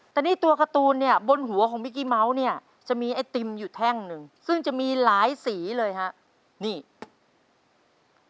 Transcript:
แต่นี่ตัวการ์ตูนโดยบนหัวของวิกกี้เมาส์จะมีไอติมอยู่แท่ง๑ซึ่งจะมีหลายสีเลยครับ